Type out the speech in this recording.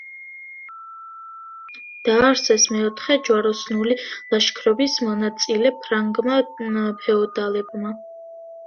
დააარსეს მეოთხე ჯვაროსნული ლაშქრობის მონაწილე ფრანგმა ფეოდალებმა.